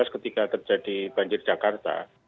ketika terjadi banjir jakarta